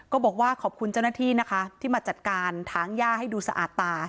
ก็บอกว่าขอบคุณเจ้าหน้าที่นะคะที่มาจัดการถางย่าให้ดูสะอาดตา